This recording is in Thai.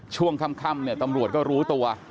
ช่วงค่ำเนี่ยตำรวจก็รู้ตัว